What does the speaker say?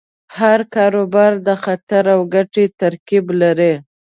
هر کاروبار د خطر او ګټې ترکیب لري.